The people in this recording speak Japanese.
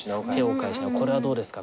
これはどうですか？